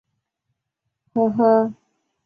禹之谟人。